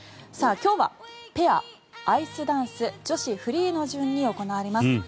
今日はペア、アイスダンス女子フリーの順に行われます。